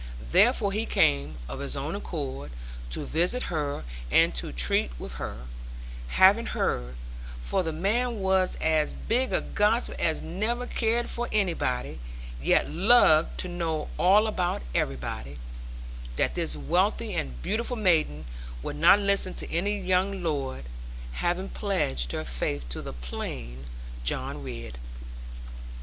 Therefore he came, of his own accord, to visit her, and to treat with her; having heard (for the man was as big a gossip as never cared for anybody, yet loved to know all about everybody) that this wealthy and beautiful maiden would not listen to any young lord, having pledged her faith to the plain John Ridd.